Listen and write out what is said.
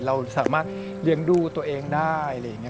เราสามารถเลี้ยงดูตัวเองได้อะไรอย่างนี้